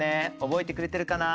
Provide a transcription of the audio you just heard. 覚えてくれてるかな？